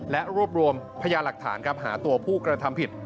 และรวบรวมพยาหลักฐานครับหาตัวผู้กระทำผิด